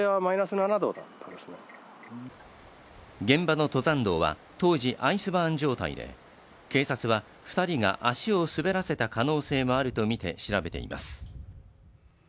現場の登山道は、当時アイスバーン状態で警察は、２人が足を滑らせた可能性もあるとみて調べています。